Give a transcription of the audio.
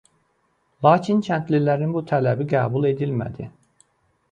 Lakin kəndlilərin bu tələbi qəbul edilmədi.